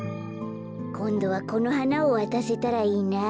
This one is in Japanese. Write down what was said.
こんどはこのはなをわたせたらいいなあ。